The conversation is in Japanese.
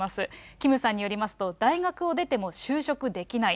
キムさんによりますと、大学を出ても就職できない。